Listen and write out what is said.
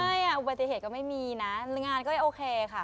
อุบัติเหตุก็ไม่มีนะงานก็โอเคค่ะ